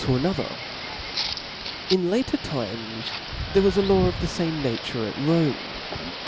to another. Ip latter times there was a law of («) Seethe the fame nature (*) at Rome.